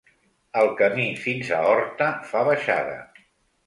El camí fins a Horta fa baixada.